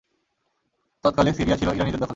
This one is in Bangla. তৎকালে সিরিয়া ছিল ইরানীদের দখলে।